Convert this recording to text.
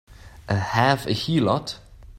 A half a heelot!